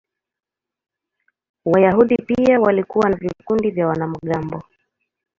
Wayahudi pia walikuwa na vikundi vya wanamgambo.